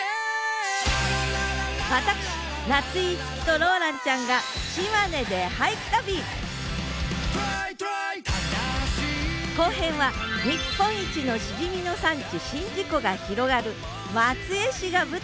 私夏井いつきとローランちゃんが後編は日本一のシジミの産地宍道湖が広がる松江市が舞台！